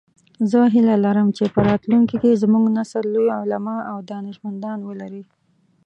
زه هیله لرم چې په راتلونکي کې زموږ نسل لوی علماء او دانشمندان ولری